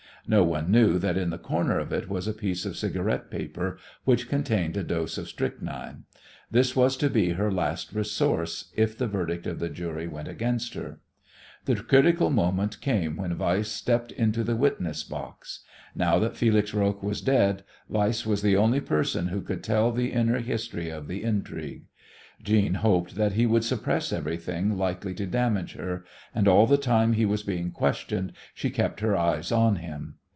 No one knew that in the corner of it was a piece of cigarette paper which contained a dose of strychnine. This was to be her last resource if the verdict of the jury went against her. The critical moment came when Weiss stepped into the witness box. Now that Felix Roques was dead Weiss was the only person who could tell the inner history of the intrigue. Jeanne hoped that he would suppress everything likely to damage her, and all the time he was being questioned she kept her eyes on him.